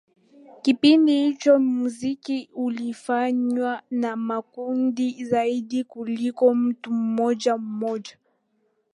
Kipindi hicho muziki ulifanywa na makundi zaidi kuliko mtu mmoja mmoja